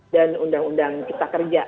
dan undang undang kita kerja